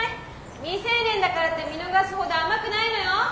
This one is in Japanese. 未成年だからって見逃すほど甘くないのよ！